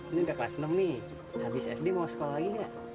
ini udah kelas enam nih habis sd mau sekolah lagi gak